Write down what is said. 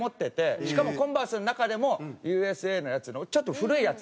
しかもコンバースの中でもＵＳＡのやつのちょっと古いやつで。